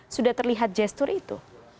sudah terlihat gestur itu